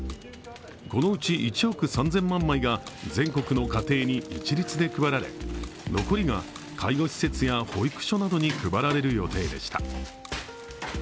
このうち１億３０００万枚が全国の家庭に一律で配られ残りが介護施設や保育所などに配られる予定でした。